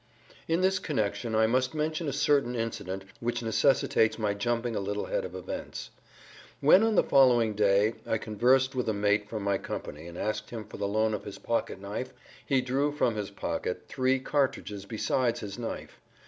In this connection I must mention a certain incident which necessitates my jumping a little ahead of events. When on the following day I conversed with a mate from my company and asked him for the loan of his pocket knife he drew from his pocket three cartridges besides his knife.